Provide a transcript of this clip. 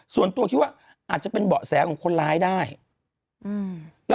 ส่วนตัวคิดว่าอาจจะเป็นเบาะแสของคนร้ายได้อืม